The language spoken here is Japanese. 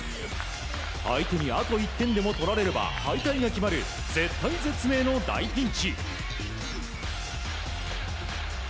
相手にあと１点でも取られれば敗退が決まる絶体絶命の大ピンチ。